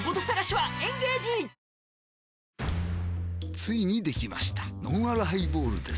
ついにできましたのんあるハイボールです